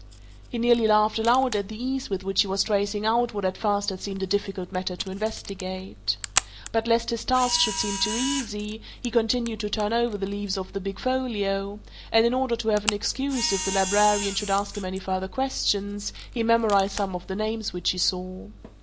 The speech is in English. He nearly laughed aloud at the ease with which he was tracing out what at first had seemed a difficult matter to investigate. But lest his task should seem too easy, he continued to turn over the leaves of the big folio, and in order to have an excuse if the librarian should ask him any further questions, he memorized some of the names which he saw.